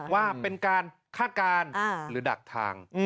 ว่าเป็นการคาดการณ์หรือดักทาง